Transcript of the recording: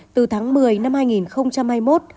từ tháng một mươi năm hai nghìn hai mươi một